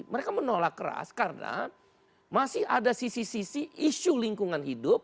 mereka menolak keras karena masih ada sisi sisi isu lingkungan hidup